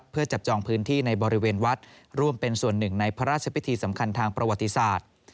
เพื่อจับจองพื้นที่ในบริเวณวัดร่วมเป็นส่วนหนึ่งในพระราชพิธีสำคัญทางประวัติศาสตร์